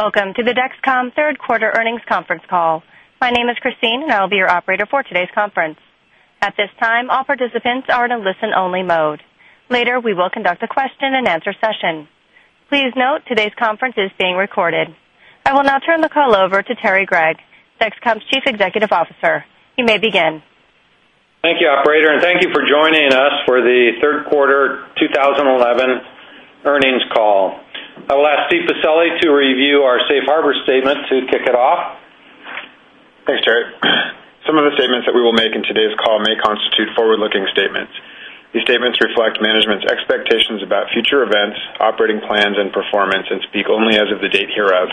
Welcome to the Dexcom Third Quarter Earnings ConferenceCall. My name is Christine, and I will be your operator for today's conference. At this time, all participants are in a listen-only mode. Later, we will conduct a question-and-answer session. Please note today's conference is being recorded. I will now turn the call over to Terry Gregg, Dexcom's Chief Executive Officer. You may begin. Thank you, operator, and thank you for joining us for the Third Quarter 2011 Earnings Call. I will ask Steve Pacelli to review our safe harbor statement to kick it off. Thanks, Terry. Some of the statements that we will make in today's call may constitute forward-looking statements. These statements reflect management's expectations about future events, operating plans, and performance and speak only as of the date hereof.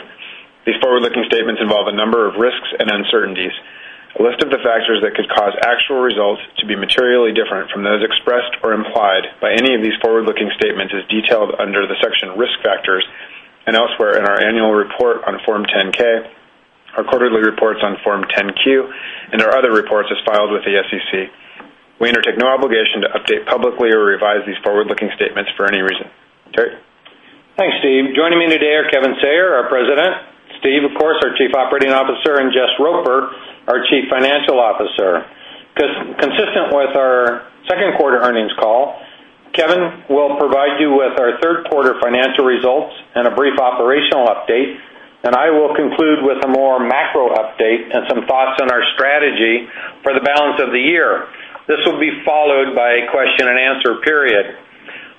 These forward-looking statements involve a number of risks and uncertainties. A list of the factors that could cause actual results to be materially different from those expressed or implied by any of these forward-looking statements is detailed under the section Risk Factors and elsewhere in our annual report on Form 10-K, our quarterly reports on Form 10-Q, and our other reports as filed with the SEC. We undertake no obligation to update publicly or revise these forward-looking statements for any reason. Terry. Thanks, Steve. Joining me today are Kevin Sayer, our President, Steve, of course, our Chief Operating Officer, and Jess Roper, our Chief Financial Officer. Consistent with our Second Quarter Earnings Call, Kevin will provide you with our third quarter financial results and a brief operational update, and I will conclude with a more macro update and some thoughts on our strategy for the balance of the year. This will be followed by a question-and-answer period.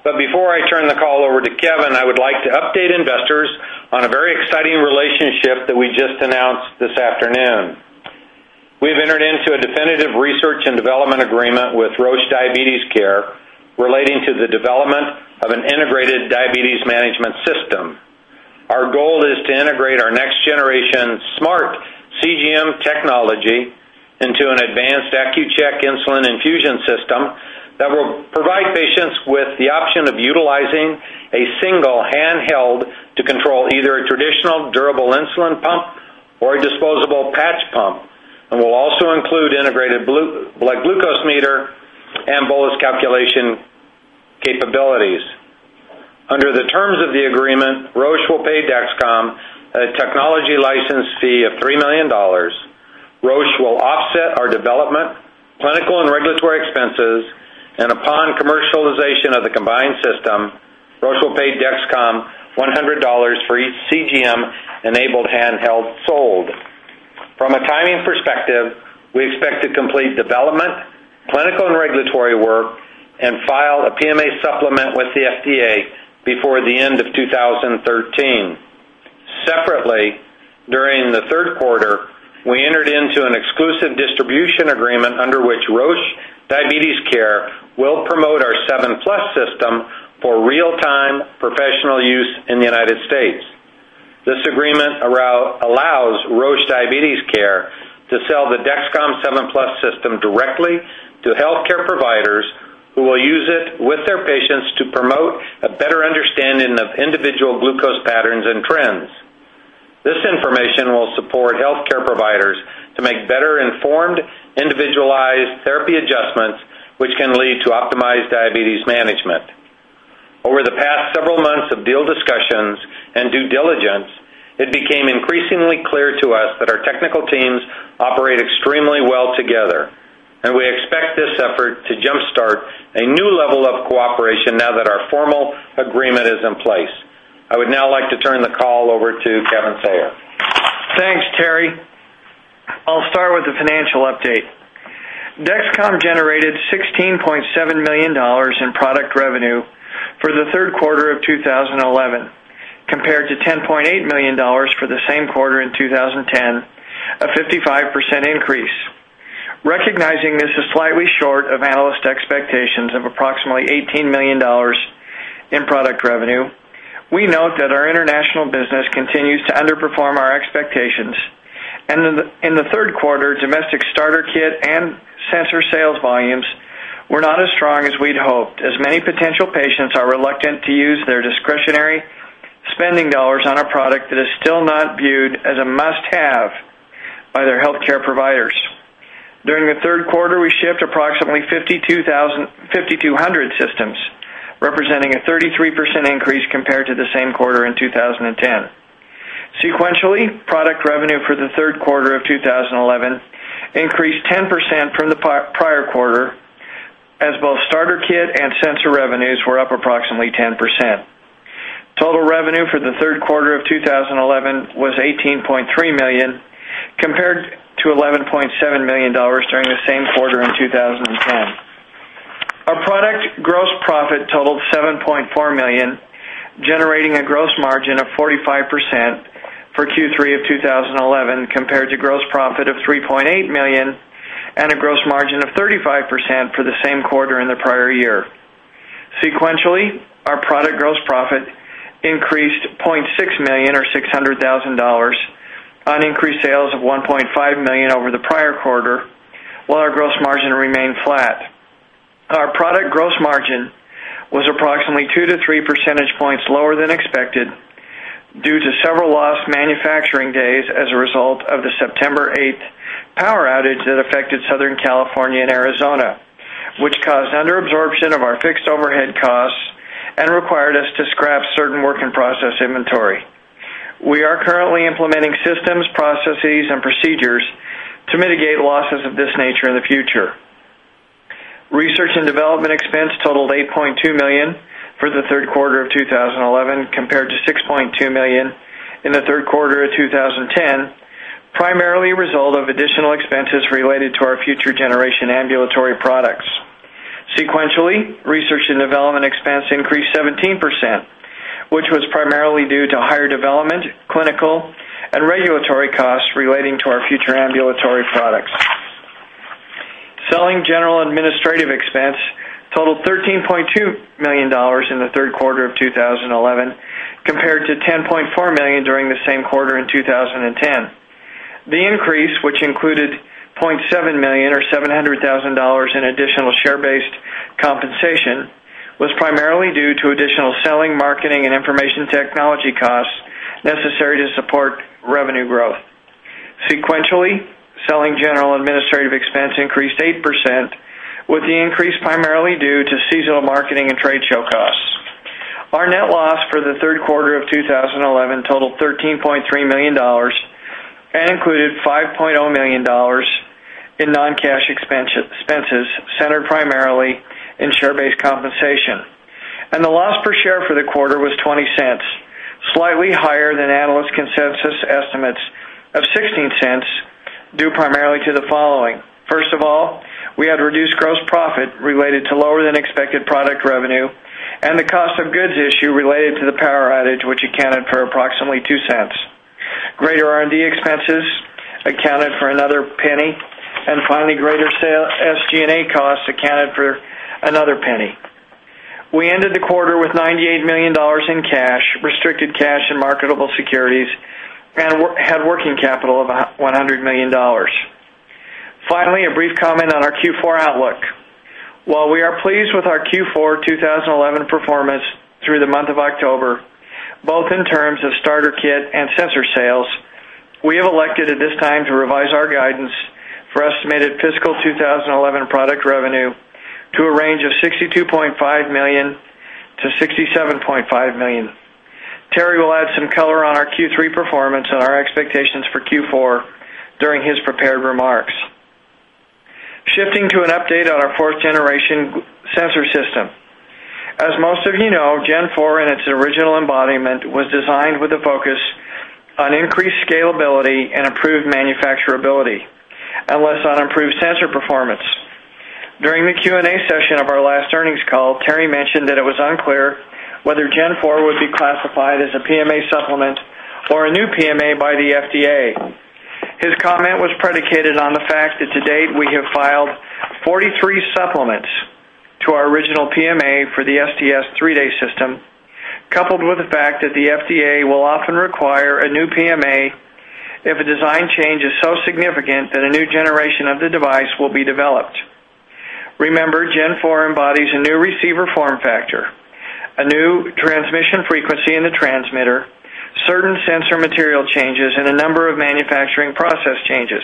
Before I turn the call over to Kevin, I would like to update investors on a very exciting relationship that we just announced this afternoon. We have entered into a definitive research and development agreement with Roche Diabetes Care relating to the development of an integrated diabetes management system. Our goal is to integrate our next-generation smart CGM technology into an advanced Accu-Chek insulin infusion system that will provide patients with the option of utilizing a single handheld to control either a traditional durable insulin pump or a disposable patch pump and will also include integrated built-in blood glucose meter and bolus calculation capabilities. Under the terms of the agreement, Roche will pay Dexcom a technology license fee of $3 million. Roche will offset our development, clinical, and regulatory expenses, and upon commercialization of the combined system, Roche will pay Dexcom $100 for each CGM-enabled handheld sold. From a timing perspective, we expect to complete development, clinical, and regulatory work and file a PMA supplement with the FDA before the end of 2013. Separately, during the third quarter, we entered into an exclusive distribution agreement under which Roche Diabetes Care will promote our 7+ system for real-time professional use in the United States. This agreement allows Roche Diabetes Care to sell the Dexcom 7+ system directly to healthcare providers who will use it with their patients to promote a better understanding of individual glucose patterns and trends. This information will support healthcare providers to make better-informed, individualized therapy adjustments, which can lead to optimized diabetes management. Over the past several months of deal discussions and due diligence, it became increasingly clear to us that our technical teams operate extremely well together, and we expect this effort to jumpstart a new level of cooperation now that our formal agreement is in place. I would now like to turn the call over to Kevin Sayer. Thanks, Terry. I'll start with the financial update. Dexcom generated $16.7 million in product revenue for the third quarter of 2011, compared to $10.8 million for the same quarter in 2010, a 55% increase. Recognizing this is slightly short of analyst expectations of approximately $18 million in product revenue, we note that our international business continues to underperform our expectations. In the third quarter, domestic starter kit and sensor sales volumes were not as strong as we'd hoped, as many potential patients are reluctant to use their discretionary spending dollars on a product that is still not viewed as a must-have by their healthcare providers. During the third quarter, we shipped approximately 5,200 systems, representing a 33% increase compared to the same quarter in 2010. Sequentially, product revenue for the third quarter of 2011 increased 10% from the prior quarter, as both starter kit and sensor revenues were up approximately 10%. Total revenue for the third quarter of 2011 was $18.3 million, compared to $11.7 million during the same quarter in 2010. Our product gross profit totaled $7.4 million, generating a gross margin of 45% for Q3 of 2011 compared to gross profit of $3.8 million and a gross margin of 35% for the same quarter in the prior year. Sequentially, our product gross profit increased $0.6 million or $600,000 on increased sales of $1.5 million over the prior quarter, while our gross margin remained flat. Our product gross margin was approximately 2-3 percentage points lower than expected due to several lost manufacturing days as a result of the September 8 power outage that affected Southern California and Arizona. Which cause an absorption of our fixed overhead costs required us to scrap certain work-in-process inventory. We are currently implementing systems, processes, and procedures to mitigate losses of this nature in the future. Research and development expense totaled $8.2 million for the third quarter of 2011, compared to $6.2 million in the third quarter of 2010, primarily a result of additional expenses related to our future generation ambulatory products. Sequentially, research and development expense increased 17%, which was primarily due to higher development, clinical, and regulatory costs relating to our future ambulatory products. Selling, general and administrative expense totaled $13.2 million in the third quarter of 2011, compared to $10.4 million during the same quarter in 2010. The increase, which included $0.7 million or $700,000 in additional share-based compensation, was primarily due to additional selling, marketing, and information technology costs necessary to support revenue growth. Sequentially, selling, general and administrative expense increased 8%, with the increase primarily due to seasonal marketing and trade show costs. Our net loss for the third quarter of 2011 totaled $13.3 million and included $5.0 million in non-cash expenses, centered primarily in share-based compensation. The loss per share for the quarter was $0.20, slightly higher than analyst consensus estimates of $0.16, due primarily to the following. First of all, we had reduced gross profit related to lower than expected product revenue and the cost of goods issue related to the power outage, which accounted for approximately $0.02. Greater R&D expenses accounted for another $0.01. Finally, greater sales SG&A costs accounted for another $0.01. We ended the quarter with $98 million in cash, restricted cash and marketable securities, and had working capital of $100 million. Finally, a brief comment on our Q4 outlook. While we are pleased with our Q4 2011 performance through the month of October, both in terms of starter kit and sensor sales, we have elected at this time to revise our guidance for estimated fiscal 2011 product revenue to a range of $62.5 million-$67.5 million. Terry will add some color on our Q3 performance and our expectations for Q4 during his prepared remarks. Shifting to an update on our fourth generation sensor system. As most of you know, Gen 4 in its original embodiment was designed with a focus on increased scalability and improved manufacturability and less on improved sensor performance. During the Q&A session of our last earnings call, Terry mentioned that it was unclear whether Gen 4 would be classified as a PMA supplement or a new PMA by the FDA. His comment was predicated on the fact that to date we have filed 43 supplements to our original PMA for the STS three-day system, coupled with the fact that the FDA will often require a new PMA if a design change is so significant that a new generation of the device will be developed. Remember, Gen 4 embodies a new receiver form factor, a new transmission frequency in the transmitter, certain sensor material changes, and a number of manufacturing process changes.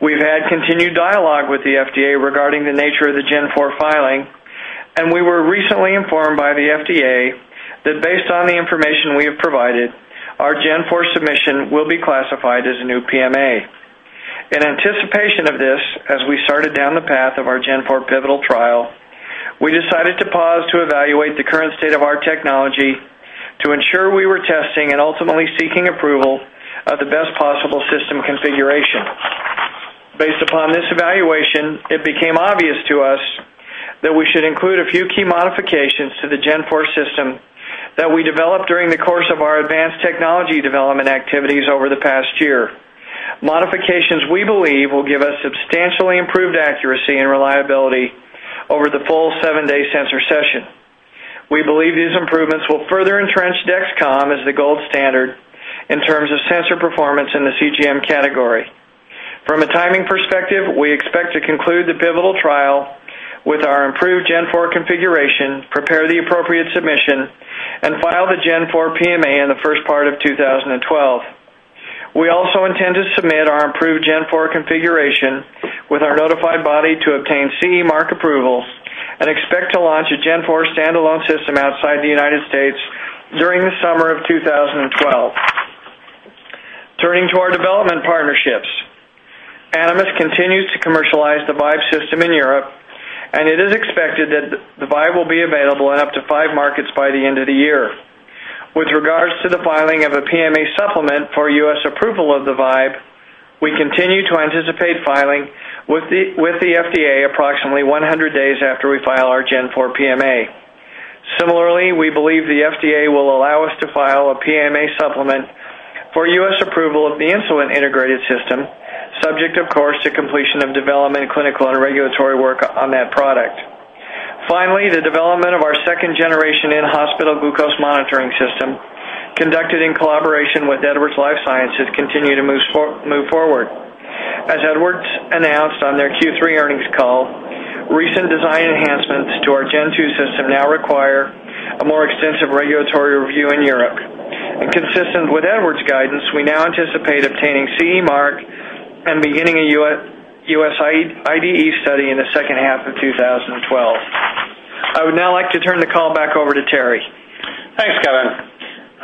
We've had continued dialogue with the FDA regarding the nature of the Gen 4 filing, and we were recently informed by the FDA that based on the information we have provided, our Gen 4 submission will be classified as a new PMA. In anticipation of this, as we started down the path of our Gen 4 pivotal trial, we decided to pause to evaluate the current state of our technology to ensure we were testing and ultimately seeking approval of the best possible system configuration. Based upon this evaluation, it became obvious to us that we should include a few key modifications to the Gen 4 system that we developed during the course of our advanced technology development activities over the past year, modifications we believe will give us substantially improved accuracy and reliability over the full seven-day sensor session. We believe these improvements will further entrench Dexcom as the gold standard in terms of sensor performance in the CGM category. From a timing perspective, we expect to conclude the pivotal trial with our improved Gen 4 configuration, prepare the appropriate submission, and file the Gen 4 PMA in the first part of 2012. We also intend to submit our improved Gen 4 configuration with our notified body to obtain CE mark approvals and expect to launch a Gen 4 standalone system outside the United States during the summer of 2012. Turning to our development partnerships. Animas continues to commercialize the Vibe system in Europe, and it is expected that the Vibe will be available in up to five markets by the end of the year. With regards to the filing of a PMA supplement for U.S. approval of the Vibe, we continue to anticipate filing with the FDA approximately 100 days after we file our Gen 4 PMA. Similarly, we believe the FDA will allow us to file a PMA supplement for U.S. approval of the insulin integrated system, subject of course to completion of development, clinical, and regulatory work on that product. Finally, the development of our second generation in-hospital glucose monitoring system conducted in collaboration with Edwards Lifesciences continue to move forward. As Edwards announced on their Q3 earnings call, recent design enhancements, a more extensive regulatory review in Europe. Consistent with Edwards' guidance, we now anticipate obtaining CE mark and beginning a U.S. IDE study in the second half of 2012. I would now like to turn the call back over to Terry. Thanks, Kevin.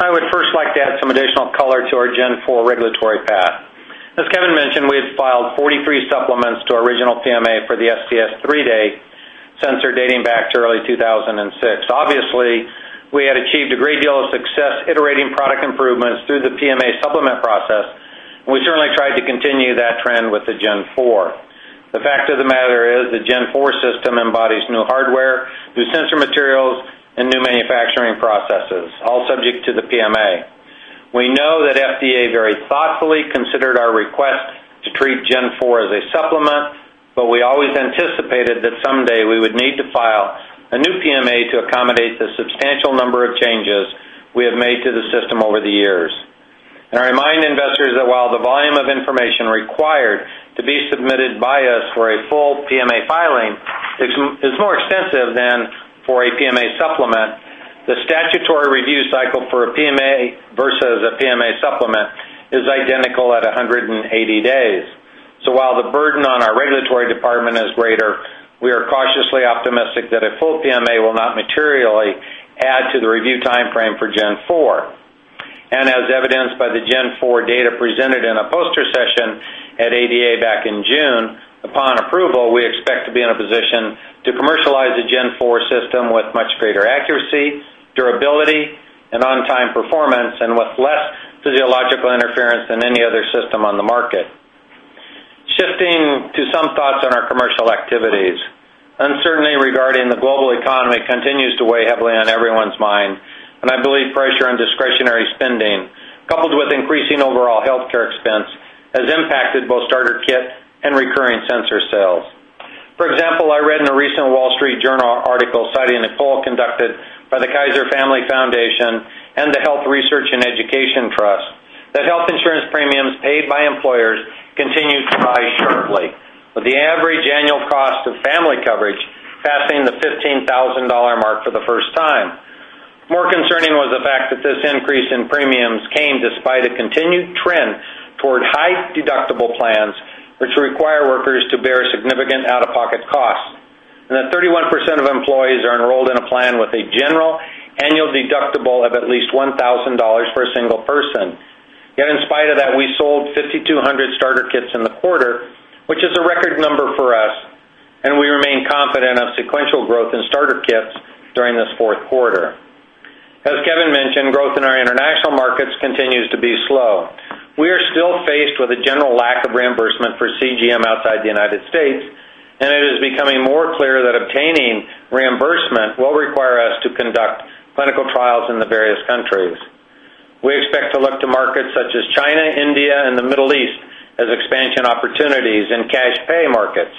I would first like to add some additional color to our G4 regulatory path. As Kevin mentioned, we have filed 43 supplements to original PMA for the STS three-day sensor dating back to early 2006. Obviously, we had achieved a great deal of success iterating product improvements through the PMA supplement process, and we certainly tried to continue that trend with the G4. The fact of the matter is the G4 system embodies new hardware, new sensor materials, and new manufacturing processes, all subject to the PMA. We know that FDA very thoughtfully considered our request to treat G4 as a supplement, but we always anticipated that someday we would need to file a new PMA to accommodate the substantial number of changes we have made to the system over the years. I remind investors that while the volume of information required to be submitted by us for a full PMA filing is more extensive than for a PMA supplement, the statutory review cycle for a PMA versus a PMA supplement is identical at 180 days. While the burden on our regulatory department is greater, we are cautiously optimistic that a full PMA will not materially add to the review timeframe for Gen 4. As evidenced by the Gen 4 data presented in a poster session at ADA back in June, upon approval, we expect to be in a position to commercialize the Gen 4 system with much greater accuracy, durability, and on-time performance, and with less physiological interference than any other system on the market. Shifting to some thoughts on our commercial activities. Uncertainty regarding the global economy continues to weigh heavily on everyone's mind, and I believe pressure on discretionary spending, coupled with increasing overall healthcare expense, has impacted both starter kit and recurring sensor sales. For example, I read in a recent Wall Street Journal article citing a poll conducted by the Kaiser Family Foundation and the Health Research & Educational Trust that health insurance premiums paid by employers continued to rise sharply, with the average annual cost of family coverage passing the $15,000 mark for the first time. More concerning was the fact that this increase in premiums came despite a continued trend toward high-deductible plans, which require workers to bear significant out-of-pocket costs, and that 31% of employees are enrolled in a plan with a general annual deductible of at least $1,000 for a single person. Yet in spite of that, we sold 5,200 starter kits in the quarter, which is a record number for us, and we remain confident of sequential growth in starter kits during this fourth quarter. As Kevin mentioned, growth in our international markets continues to be slow. We are still faced with a general lack of reimbursement for CGM outside the United States, and it is becoming more clear that obtaining reimbursement will require us to conduct clinical trials in the various countries. We expect to look to markets such as China, India, and the Middle East as expansion opportunities in cash pay markets.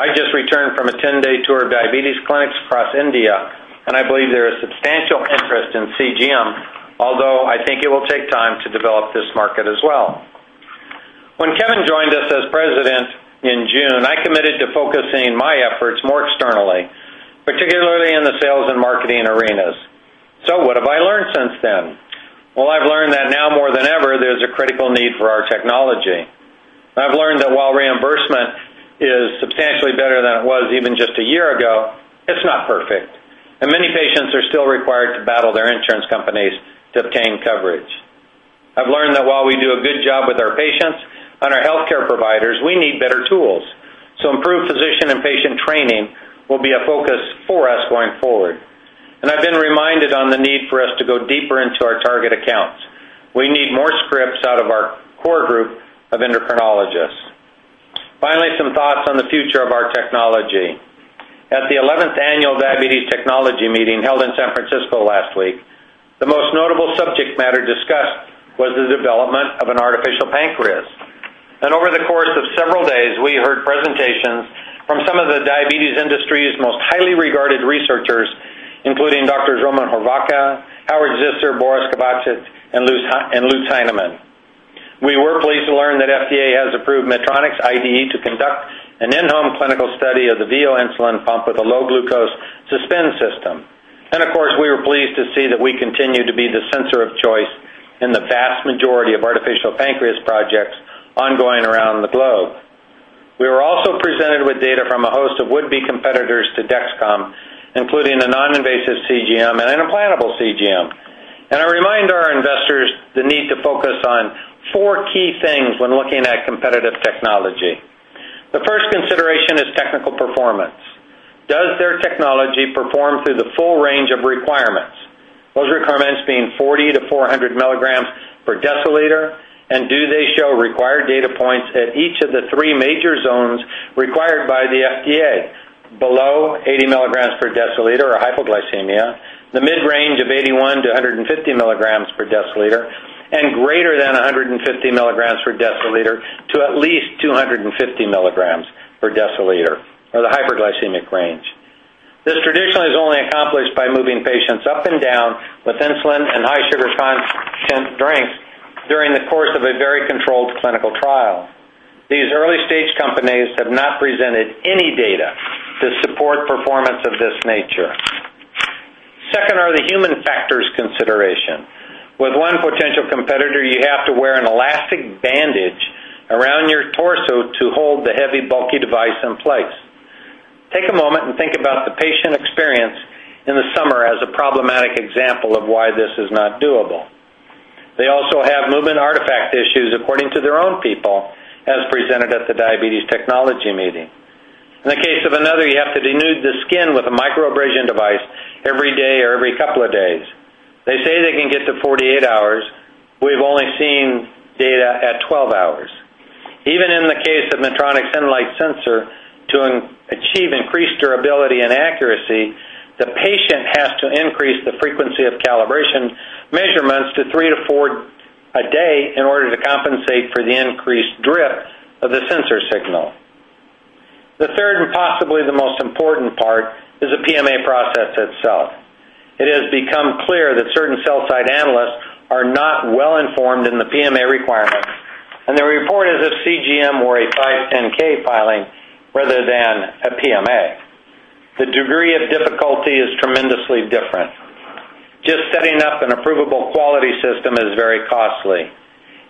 I just returned from a 10-day tour of diabetes clinics across India, and I believe there is substantial interest in CGM, although I think it will take time to develop this market as well. When Kevin joined us as president in June, I committed to focusing my efforts more externally, particularly in the sales and marketing arenas. What have I learned since then? Well, I've learned that now more than ever, there's a critical need for our technology. I've learned that while reimbursement is substantially better than it was even just a year ago, it's not perfect, and many patients are still required to battle their insurance companies to obtain coverage. I've learned that while we do a good job with our patients and our healthcare providers, we need better tools. Improved physician and patient training will be a focus for us going forward. I've been reminded on the need for us to go deeper into our target accounts. We need more scripts out of our core group of endocrinologists. Finally, some thoughts on the future of our technology. At the eleventh annual Diabetes Technology Meeting held in San Francisco last week, the most notable subject matter discussed was the development of an artificial pancreas. Over the course of several days, we heard presentations from some of the diabetes industry's most highly regarded researchers, including doctors Roman Hovorka, Howard Zisser, Boris Kovatchev, and Lutz Heinemann. We were pleased to learn that FDA has approved Medtronic's IDE to conduct an in-home clinical study of the Veo insulin pump with a low glucose suspend system. Of course, we were pleased to see that we continue to be the sensor of choice in the vast majority of artificial pancreas projects ongoing around the globe. We were also presented with data from a host of would-be competitors to Dexcom, including a non-invasive CGM and an implantable CGM. I remind our investors the need to focus on four key things when looking at competitive technology. The first consideration is technical performance. Does their technology perform through the full range of requirements? Those requirements being 40-400 mg per dL, and do they show required data points at each of the three major zones required by the FDA? Below 80 mg per dL or hypoglycemia, the mid-range of 81-150 mg per dL, and greater than 150 mg per dL to at least 250 mg per dL, or the hyperglycemic range. This traditionally is only accomplished by moving patients up and down with insulin data to support performance of this nature. Second are the human factors consideration. With one potential competitor, you have to wear an elastic bandage around your torso to hold the heavy, bulky device in place. Take a moment and think about the patient experience in the summer as a problematic example of why this is not doable. They also have movement artifact issues according to their own people, as presented at the Diabetes Technology Meeting. In the case of another, you have to denude the skin with a microabrasion device every day or every couple of days. They say they can get to 48 hours. We've only seen data at 12 hours. Even in the case of Medtronic Enlite sensor, to achieve increased durability and accuracy, the patient has to increase the frequency of calibration measurements to 3 to 4 a day in order to compensate for the increased drift of the sensor signal. The third, and possibly the most important part, is the PMA process itself. It has become clear that certain sell-side analysts are not well-informed in the PMA requirements, and they report it as a CGM or a 510(k) filing rather than a PMA. The degree of difficulty is tremendously different. Just setting up an approvable quality system is very costly.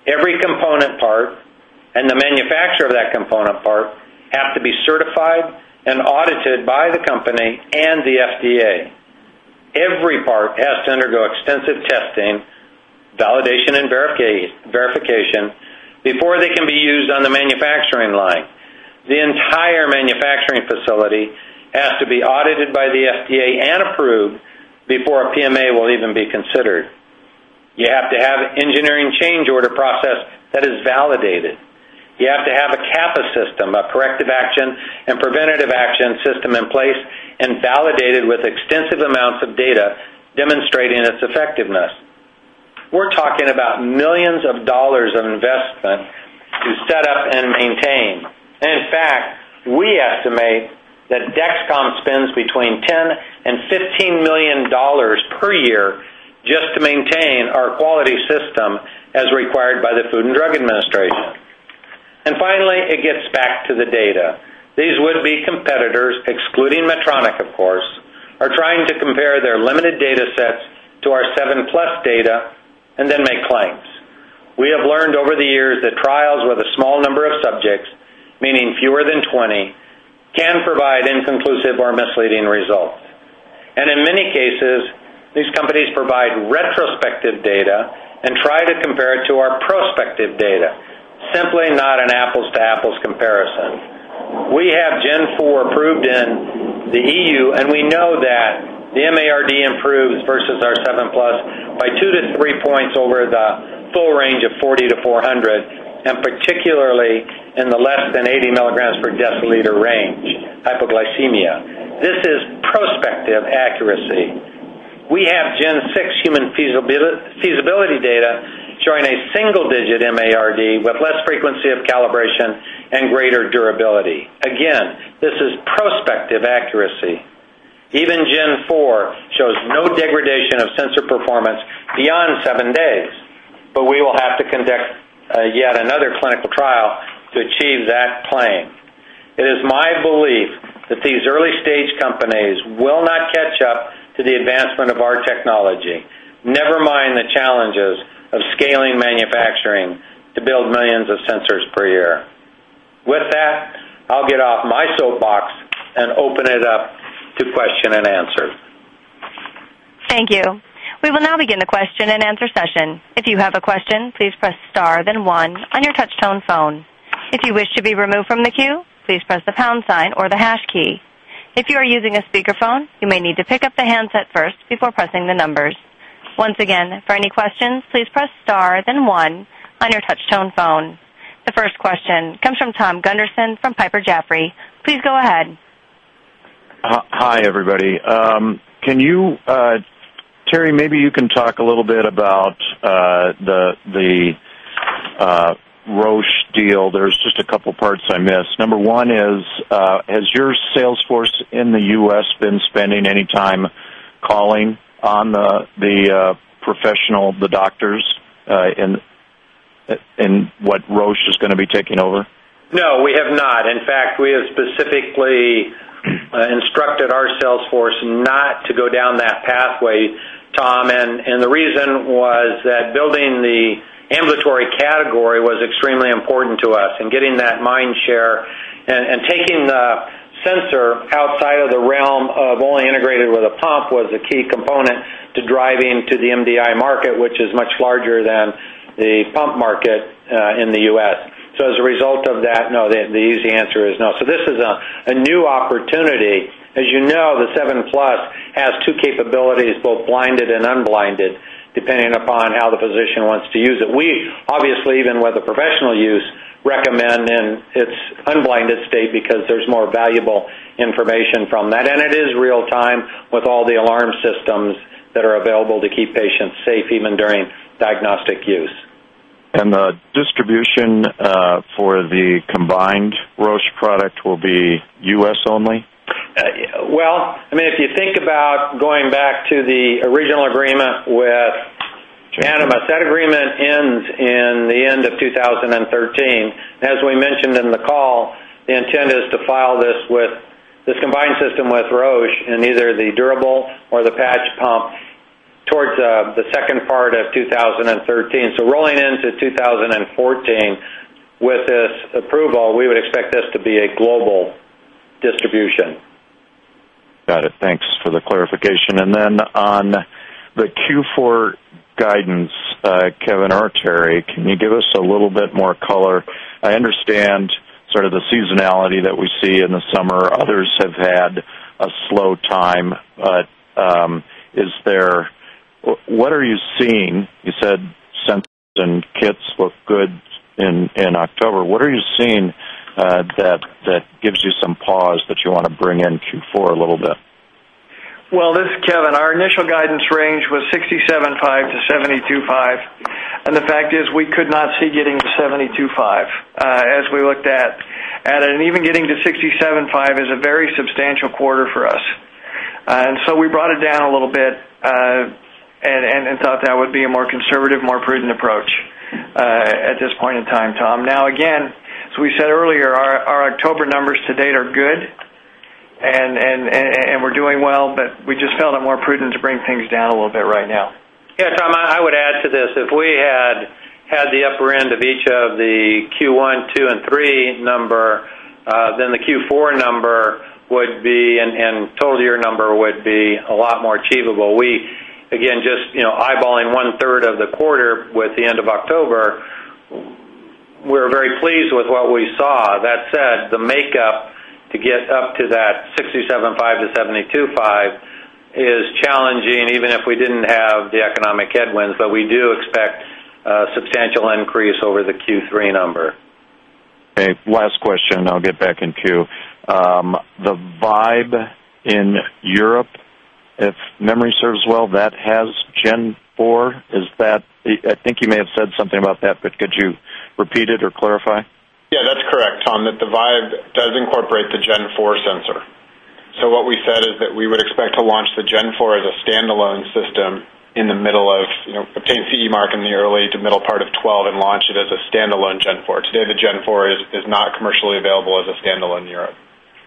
Every component part and the manufacturer of that component part have to be certified and audited by the company and the FDA. Every part has to undergo extensive testing, validation, and verification before they can be used on the manufacturing line. The entire manufacturing facility has to be audited by the FDA and approved before a PMA will even be considered. You have to have engineering change order process that is validated. You have to have a CAPA system, a Corrective Action and Preventative Action system in place, and validated with extensive amounts of data demonstrating its effectiveness. We're talking about millions of dollars of investment to set up and maintain. In fact, we estimate that Dexcom spends between $10-$15 million per year just to maintain our quality system as required by the Food and Drug Administration. Finally, it gets back to the data. These would-be competitors, excluding Medtronic, of course, are trying to compare their limited data sets to our seven-plus data and then make claims. We have learned over the years that trials with a small number of subjects, meaning fewer than 20, can provide inconclusive or misleading results. In many cases, these companies provide retrospective data and try to compare it to our prospective data. Simply not an apples-to-apples comparison. We have Gen 4 approved in the EU, and we know that the MARD improves versus our Seven Plus by 2-3 points over the full range of 40-400, and particularly in the less than 80 milligrams per deciliter range hypoglycemia. This is prospective accuracy. We have Gen 6 human feasibility data showing a single-digit MARD with less frequency of calibration and greater durability. Again, this is prospective accuracy. Even Gen 4 shows no degradation of sensor performance beyond 7 days, but we will have to conduct yet another clinical trial to achieve that claim. It is my belief that these early-stage companies will not catch up to the advancement of our technology. Never mind the challenges of scaling manufacturing to build millions of sensors per year. With that, I'll get off my soapbox and open it up to question and answer. Thank you. We will now begin the question-and-answer session. If you have a question, please press star then one on your touch tone phone. If you wish to be removed from the queue, please press the pound sign or the hash key. If you are using a speakerphone, you may need to pick up the handset first before pressing the numbers. Once again, for any questions, please press star then one on your touch tone phone. The first question comes from Thom Gunderson from Piper Jaffray. Please go ahead. Hi, everybody. Can you, Terry, maybe you can talk a little bit about the Roche deal. There's just a couple parts I missed. Number one is, has your sales force in the U.S. been spending any time calling on the professional, the doctors, in what Roche is gonna be taking over? No, we have not. In fact, we have specifically instructed our sales force not to go down that pathway, Tom, and the reason was that building the ambulatory category was extremely important to us and getting that mind share and taking the sensor outside of the realm of only integrated with a pump was a key component to driving to the MDI market, which is much larger than the pump market in the U.S. As a result of that, no, the easy answer is no. This is a new opportunity. As you know, the seven plus has two capabilities, both blinded and unblinded, depending upon how the physician wants to use it. We obviously, even with the professional use, recommend in its unblinded state because there's more valuable information from that, and it is real time with all the alarm systems that are available to keep patients safe even during diagnostic use. The distribution for the combined Roche product will be U.S. only? Well, I mean, if you think about going back to the original agreement with Animas, that agreement 2013. As we mentioned in the call, the intent is to file this with this combined system with Roche in either the durable or the patch pump towards the second part of 2013. Rolling into 2014 with this approval, we would expect this to be a global distribution. Got it. Thanks for the clarification. On the Q4 guidance, Kevin or Terry, can you give us a little bit more color? I understand sort of the seasonality that we see in the summer. Others have had a slow time, but is there what are you seeing? You said sensors and kits look good in October. What are you seeing that gives you some pause that you wanna bring in Q4 a little bit? Well, this is Kevin. Our initial guidance range was $67.5-$72.5, and the fact is we could not see getting to $72.5. As we looked at an even getting to $67.5 is a very substantial quarter for us. We brought it down a little bit and thought that would be a more conservative, more prudent approach at this point in time, Tom. Now, again, as we said earlier, our October numbers to date are good and we're doing well, but we just felt it more prudent to bring things down a little bit right now. Yeah, Tom, I would add to this. If we had the upper end of each of the Q1, 2, and 3 number, then the Q4 number would be, and total year number would be a lot more achievable. We again just, you know, eyeballing one-third of the quarter with the end of October, we're very pleased with what we saw. That said, the makeup to get up to that $67.5-$72.5 is challenging, even if we didn't have the economic headwinds, but we do expect a substantial increase over the Q3 number. Okay, last question and I'll get back in queue. The Vibe in Europe, if memory serves well, that has Gen 4. I think you may have said something about that, but could you repeat it or clarify? Yeah, that's correct, Tom, that the Vibe does incorporate the Gen 4 sensor. What we said is that we would expect to launch the Gen 4 as a standalone system in the middle of, you know, obtain CE mark in the early to middle part of 2012 and launch it as a standalone Gen 4. Today, the Gen 4 is not commercially available as a standalone in Europe.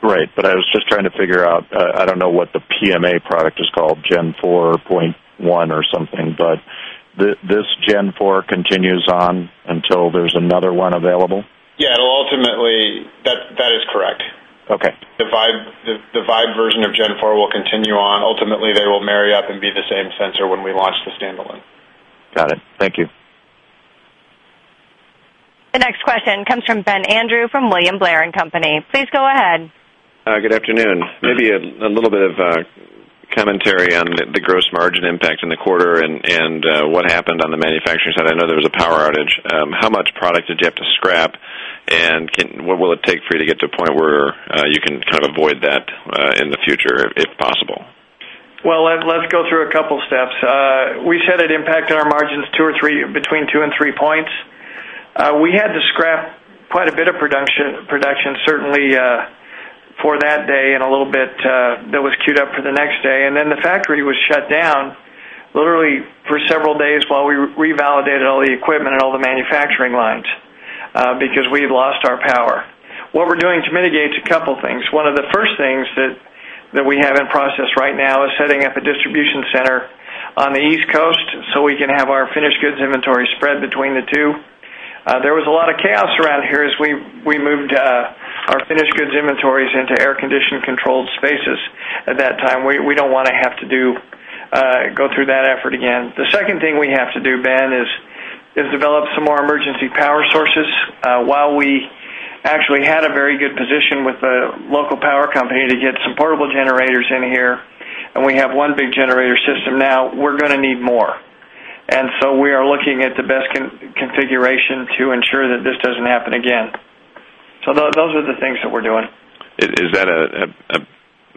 Right. I was just trying to figure out, I don't know what the PMA product is called, G4 point 1 or something, but this G4 continues on until there's another one available? That is correct. Okay. The Animas Vibe, the Animas Vibe version of Gen 4 will continue on. Ultimately, they will marry up and be the same sensor when we launch the standalone. Got it. Thank you. The next question comes from Ben Andrew from William Blair & Company. Please go ahead. Good afternoon. Maybe a little bit of commentary on the gross margin impact in the quarter and what happened on the manufacturing side. I know there was a power outage. How much product did you have to scrap and what will it take for you to get to a point where you can kind of avoid that in the future, if possible? Well, let's go through a couple steps. We said it impacted our margins 2 or 3, between 2 and 3 points. We had to scrap quite a bit of production certainly for that day and a little bit that was queued up for the next day. The factory was shut down literally for several days while we revalidated all the equipment and all the manufacturing lines because we had lost our power. What we're doing to mitigate is a couple things. One of the first things that we have in process right now is setting up a distribution center on the East Coast, so we can have our finished goods inventory spread between the two. There was a lot of chaos around here as we moved our finished goods inventories into air-conditioned controlled spaces at that time. We don't wanna have to go through that effort again. The second thing we have to do, Ben, is develop some more emergency power sources. While we actually had a very good position with the local power company to get some portable generators in here, and we have one big generator system now, we're gonna need more. We are looking at the best configuration to ensure that this doesn't happen again. Those are the things that we're doing. Is that a,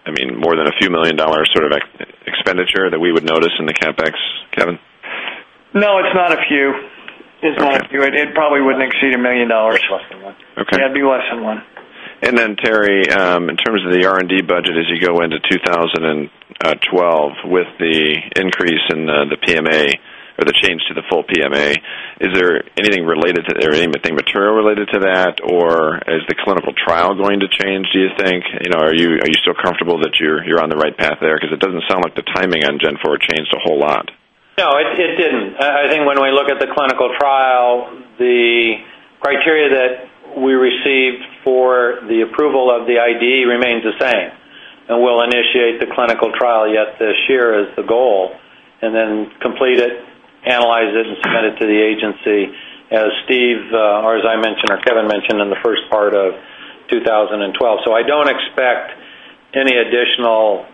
I mean, more than a few $ million sort of expenditure that we would notice in the CapEx, Kevin? No, it's not a few. Okay. It's not a few. It probably wouldn't exceed $1 million. It's less than one. Okay. Yeah, it'd be less than one. Terry, in terms of the R&D budget as you go into 2012 with the increase in the PMA or the change to the full PMA, is there anything related to, or anything material related to that? Or is the clinical trial going to change, do you think? You know, are you still comfortable that you're on the right path there? 'Cause it doesn't sound like the timing on Gen 4 changed a whole lot. No, it didn't. I think when we look at the clinical trial, the criteria that we received for the approval of the IDE remains the same. We'll initiate the clinical trial yet this year is the goal, and then complete it, analyze it, and submit it to the agency as Steve or Kevin mentioned in the first part of 2012. I don't expect any additional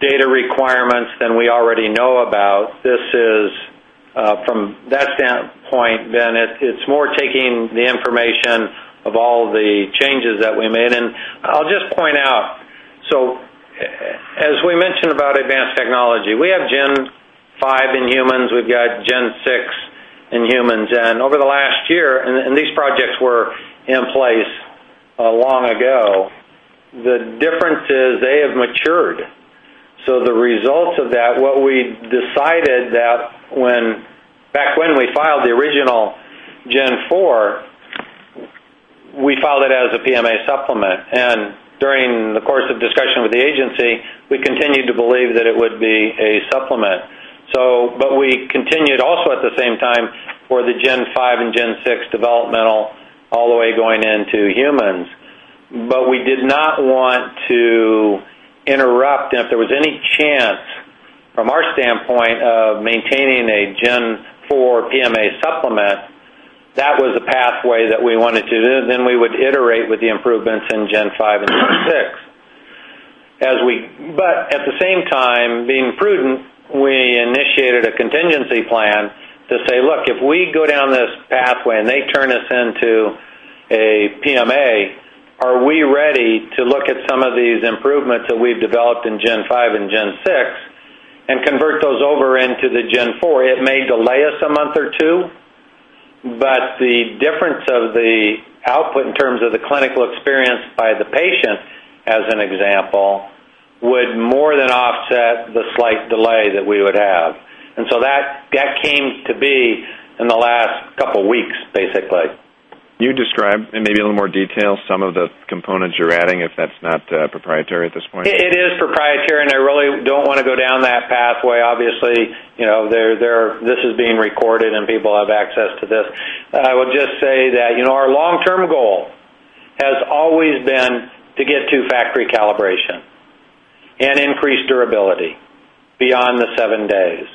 data requirements than we already know about. This is from that standpoint, then it's more taking the information of all the changes that we made. I'll just point out, so as we mentioned about advanced technology, we have Gen 5 in humans, we've got Gen 6 in humans. Over the last year, these projects were in place long ago. The difference is they have matured. The results of that, what we decided that when back when we filed the original Gen 4, we filed it as a PMA supplement. During the course of discussion with the agency, we continued to believe that it would be a supplement. But we continued also at the same time for the Gen 5 and Gen 6 developmental all the way going into humans. We did not want to interrupt, and if there was any chance from our standpoint of maintaining a Gen 4 PMA supplement, that was a pathway that we wanted to. We would iterate with the improvements in Gen 5 and Gen 6. At the same time, being prudent, we initiated a contingency plan to say, "Look, if we go down this pathway and they turn us into a PMA, are we ready to look at some of these improvements that we've developed in Gen 5 and Gen 6 and convert those over into the Gen 4?" It may delay us a month or two, but the difference of the output in terms of the clinical experience by the patient, as an example, would more than offset the slight delay that we would have. That came to be in the last couple of weeks, basically. Can you describe in maybe a little more detail some of the components you're adding, if that's not proprietary at this point? It is proprietary, and I really don't want to go down that pathway. Obviously, you know, this is being recorded and people have access to this. I would just say that, you know, our long-term goal has always been to get to factory calibration and increase durability beyond the seven days.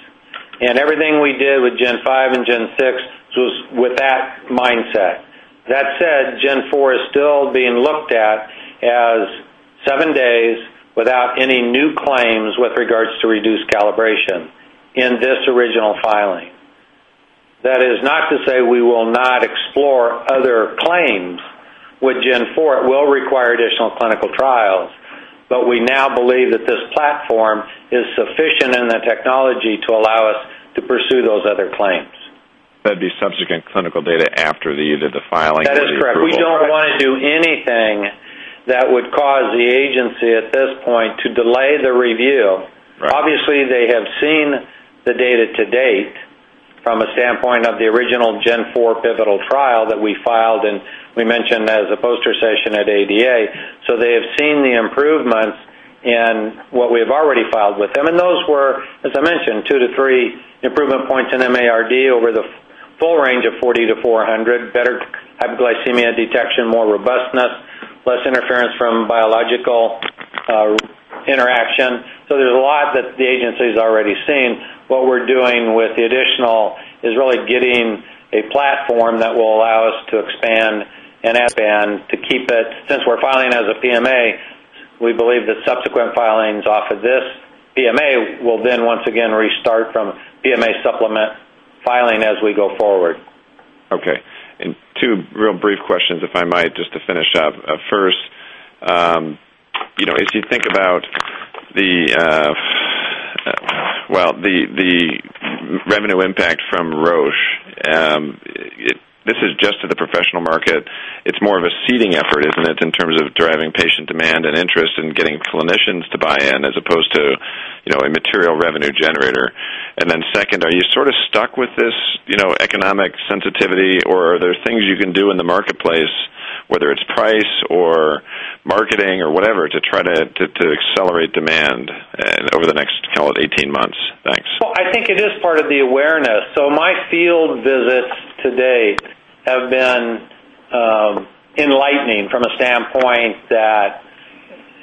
Everything we did with Gen 5 and Gen 6 was with that mindset. That said, Gen 4 is still being looked at as seven days without any new claims with regards to reduced calibration in this original filing. That is not to say we will not explore other claims with Gen 4. It will require additional clinical trials, but we now believe that this platform is sufficient in the technology to allow us to pursue those other claims. That'd be subsequent clinical data after either the filing or the approval. That is correct. We don't want to do anything that would cause the agency at this point to delay the review. Right. Obviously, they have seen the data to date from a standpoint of the original Gen 4 pivotal trial that we filed, and we mentioned as a poster session at ADA. They have seen the improvements in what we've already filed with them. Those were, as I mentioned, 2-3 improvement points in MARD over the full range of 40-400, better hypoglycemia detection, more robustness, less interference from biological interaction. There's a lot that the agency's already seen. What we're doing with the additional is really getting a platform that will allow us to expand and to keep it. Since we're filing as a PMA, we believe that subsequent filings off of this PMA will then once again restart from PMA supplement filing as we go forward. Okay. Two real brief questions, if I might, just to finish up. First, you know, if you think about the revenue impact from Roche, this is just to the professional market. It's more of a seeding effort, isn't it, in terms of driving patient demand and interest and getting clinicians to buy in as opposed to, you know, a material revenue generator? Second, are you sort of stuck with this, you know, economic sensitivity or are there things you can do in the marketplace, whether it's price or marketing or whatever, to try to accelerate demand over the next call it 18 months? Thanks. Well, I think it is part of the awareness. My field visits to date have been enlightening from a standpoint that,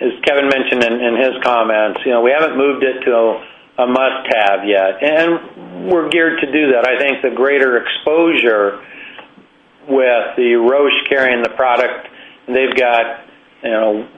as Kevin mentioned in his comments, you know, we haven't moved it to a must-have yet, and we're geared to do that. I think the greater exposure with the Roche carrying the product, they've got, you know,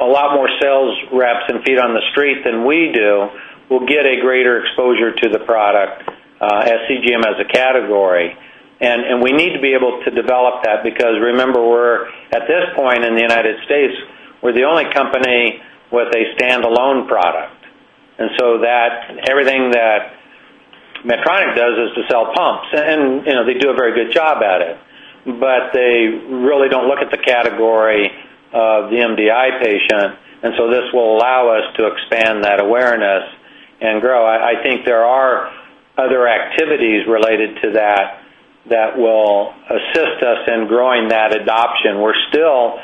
a lot more sales reps and feet on the street than we do, will get a greater exposure to the product as CGM as a category. We need to be able to develop that because remember, we're at this point in the United States, we're the only company with a standalone product. That everything that Medtronic does is to sell pumps, and, you know, they do a very good job at it, but they really don't look at the category of the MDI patient. This will allow us to expand that awareness and grow. I think there are other activities related to that that will assist us in growing that adoption. We're still,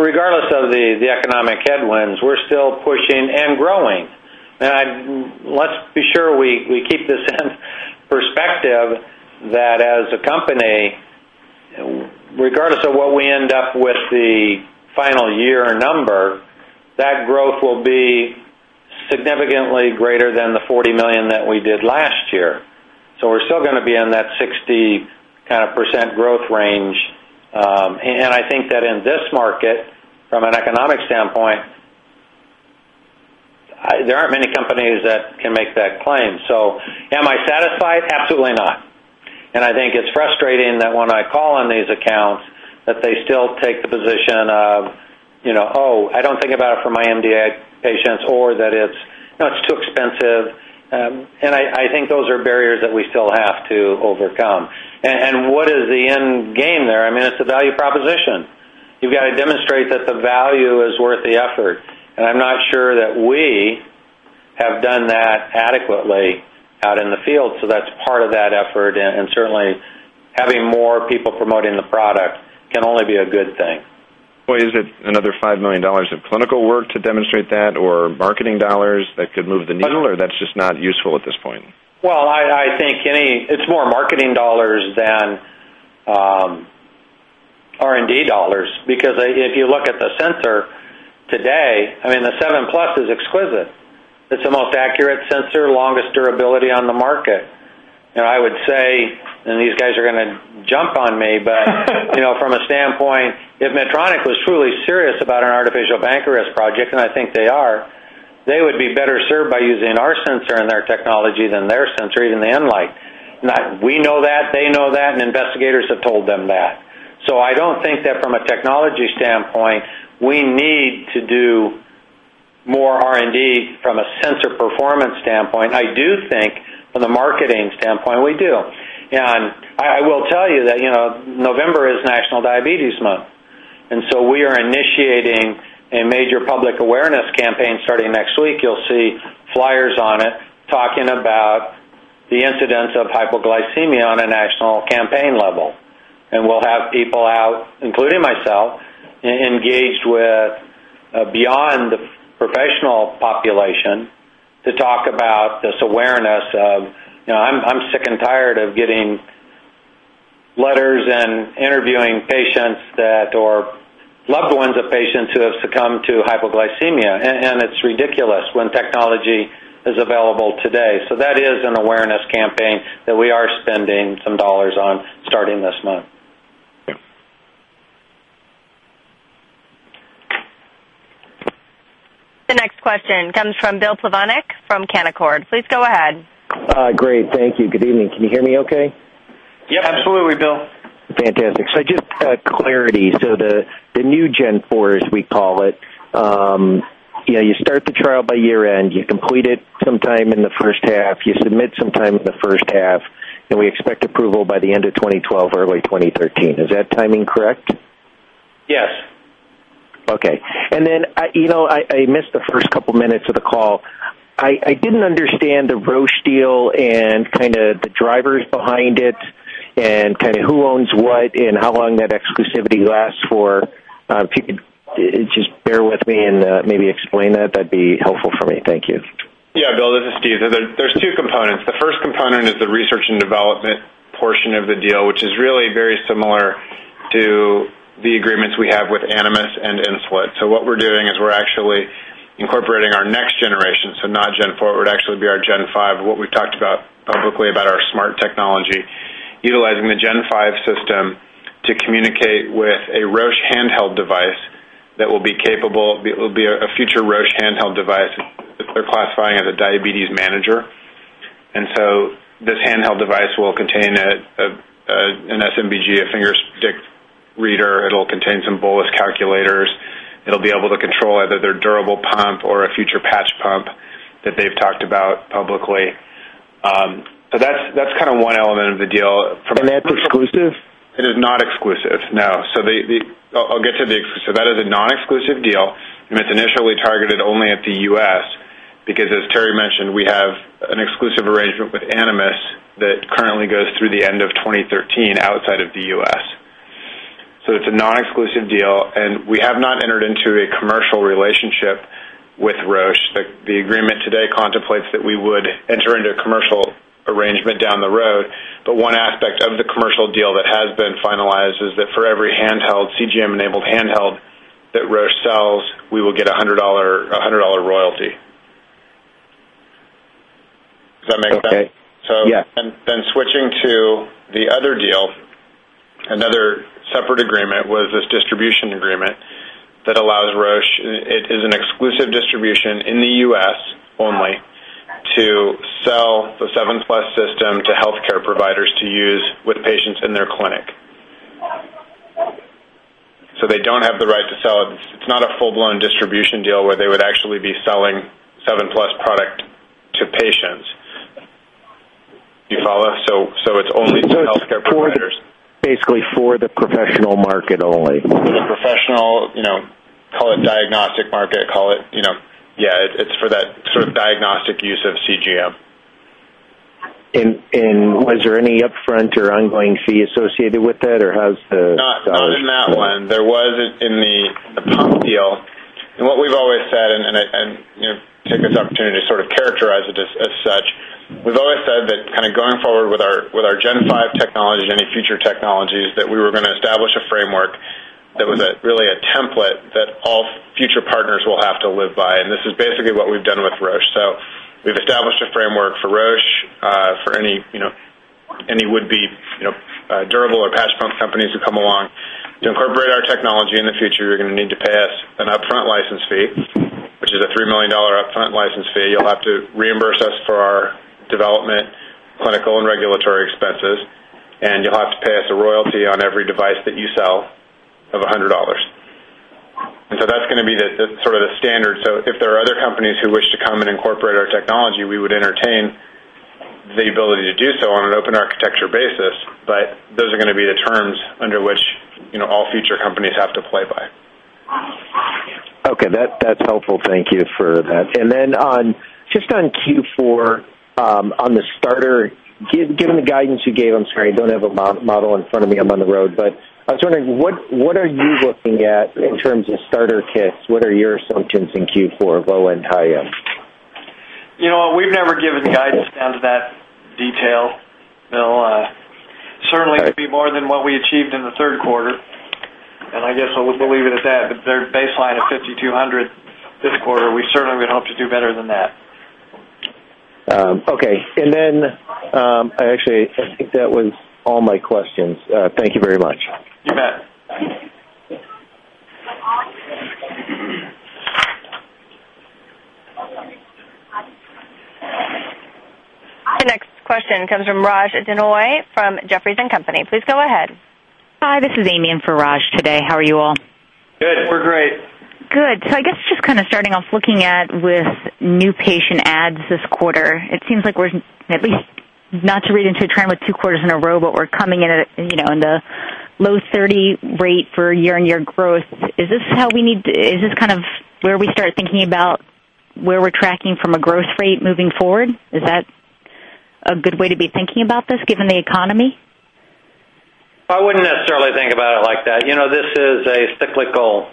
regardless of the economic headwinds, we're still pushing and growing. Let's be sure we keep this in perspective that as a company, regardless of what we end up with the final year number, that growth will be significantly greater than the $40 million that we did last year. We're still gonna be in that 60 kinda % growth range. I think that in this market from an economic standpoint, there aren't many companies that can make that claim. Am I satisfied? Absolutely not. I think it's frustrating that when I call on these accounts that they still take the position of, you know, "Oh, I don't think about it for my MDI patients," or that it's, you know, it's too expensive. I think those are barriers that we still have to overcome. I mean, it's a value proposition. You've got to demonstrate that the value is worth the effort, and I'm not sure that we have done that adequately out in the field. That's part of that effort. Certainly, having more people promoting the product can only be a good thing. Well, is it another $5 million of clinical work to demonstrate that or marketing dollars that could move the needle or that's just not useful at this point? I think it's more marketing dollars than R&D dollars because if you look at the sensor today, I mean, the Seven Plus is exquisite. It's the most accurate sensor, longest durability on the market. You know, I would say, and these guys are gonna jump on me, but you know, from a standpoint, if Medtronic was truly serious about an artificial pancreas project, and I think they are, they would be better served by using our sensor and their technology than their sensor or even the Enlite. We know that. They know that, and investigators have told them that. I don't think that from a technology standpoint, we do more R&D from a sensor performance standpoint. I do think from the marketing standpoint, we do. I will tell you that, you know, November is National Diabetes Month, and so we are initiating a major public awareness campaign starting next week. You'll see flyers on it talking about the incidence of hypoglycemia on a national campaign level. We'll have people out, including myself, engaged with beyond the professional population to talk about this awareness of, you know, I'm sick and tired of getting letters and interviewing patients or loved ones of patients who have succumbed to hypoglycemia. It's ridiculous when technology is available today. That is an awareness campaign that we are spending some dollars on starting this month. The next question comes from Bill Plovanic from Canaccord Genuity. Please go ahead. Great. Thank you. Good evening. Can you hear me okay? Yep, absolutely, Bill. Fantastic. Just clarity. The new Gen 4, as we call it, you know, you start the trial by year-end, you complete it sometime in the first half, you submit sometime in the first half, and we expect approval by the end of 2012, early 2013. Is that timing correct? Yes. Okay. I, you know, missed the first couple minutes of the call. I didn't understand the Roche deal and kinda the drivers behind it and kinda who owns what and how long that exclusivity lasts for. If you could just bear with me and maybe explain that'd be helpful for me. Thank you. Yeah. Bill, this is Steve. There's two components. The first component is the research and development portion of the deal, which is really very similar to the agreements we have with Animas and Insulet. What we're doing is we're actually incorporating our next generation. Not Gen 4, it would actually be our Gen 5, what we've talked about publicly about our smart technology, utilizing the Gen 5 system to communicate with a Roche handheld device that will be capable. It will be a future Roche handheld device that they're classifying as a diabetes manager. This handheld device will contain an SMBG, a finger stick reader. It'll contain some bolus calculators. It'll be able to control either their durable pump or a future patch pump that they've talked about publicly. That's kind of one element of the deal. That's exclusive? It is not exclusive. No. I'll get to the exclusive. That is a non-exclusive deal, and it's initially targeted only at the U.S. because as Terry mentioned, we have an exclusive arrangement with Animas that currently goes through the end of 2013 outside of the U.S. It's a non-exclusive deal, and we have not entered into a commercial relationship with Roche. The agreement today contemplates that we would enter into a commercial arrangement down the road, but one aspect of the commercial deal that has been finalized is that for every handheld, CGM-enabled handheld that Roche sells, we will get a $100 royalty. Does that make sense? Okay. Yeah. Switching to the other deal. Another separate agreement was this distribution agreement that allows Roche. It is an exclusive distribution in the U.S. only to sell the Seven Plus system to healthcare providers to use with patients in their clinic. They don't have the right to sell it. It's not a full-blown distribution deal where they would actually be selling Seven Plus product to patients. Do you follow? It's only to healthcare providers. Basically for the professional market only. For the professional, you know, call it diagnostic market, you know. Yeah. It's for that sort of diagnostic use of CGM. Was there any upfront or ongoing fee associated with it, or how's the- Not in that one. There was in the pump deal. What we've always said, you know, take this opportunity to sort of characterize it as such. We've always said that kind of going forward with our Gen 5 technology and any future technologies that we were gonna establish a framework that was really a template that all future partners will have to live by. This is basically what we've done with Roche. We've established a framework for Roche, for any, you know, any would-be, you know, durable or patch pump companies who come along. To incorporate our technology in the future, you're gonna need to pay us an upfront license fee, which is a $3 million upfront license fee. You'll have to reimburse us for our development, clinical, and regulatory expenses, and you'll have to pay us a royalty on every device. That's sort of the standard. If there are other companies who wish to come and incorporate our technology, we would entertain the ability to do so on an open architecture basis. Those are gonna be the terms under which, you know, all future companies have to play by. Okay. That's helpful. Thank you for that. Just on Q4, on the starter, given the guidance you gave, I'm sorry, I don't have a model in front of me, I'm on the road, but I was wondering what are you looking at in terms of starter kits? What are your assumptions in Q4, low-end, high-end? You know what? We've never given guidance down to that detail. They'll certainly be more than what we achieved in the third quarter. I guess I would leave it at that. Their baseline of $5,200 this quarter, we certainly would hope to do better than that. Okay. I actually think that was all my questions. Thank you very much. You bet. The next question comes from Raj Denhoy from Jefferies & Company. Please go ahead. Hi, this is Amy in for Raj today. How are you all? Good. We're great. Good. I guess just kind of starting off looking at with new patient adds this quarter. It seems like we're at least not read too much into a trend with two quarters in a row, but we're coming in at, you know, in the low 30s% for year-on-year growth. Is this kind of where we start thinking about where we're tracking from a growth rate moving forward? Is that a good way to be thinking about this, given the economy? I wouldn't necessarily think about it like that. You know, this is a cyclical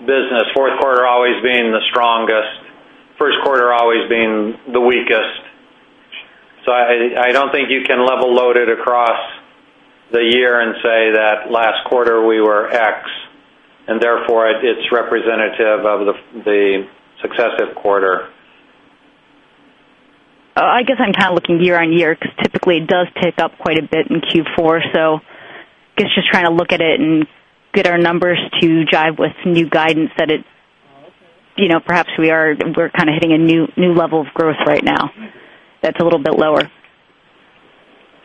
business. Fourth quarter always being the strongest, first quarter always being the weakest. I don't think you can level load it across the year and say that last quarter we were X, and therefore it's representative of the successive quarter. I guess I'm kind of looking year-on-year because typically it does pick up quite a bit in Q4. I guess just trying to look at it and get our numbers to jive with new guidance that it's, you know, perhaps we're kind of hitting a new level of growth right now that's a little bit lower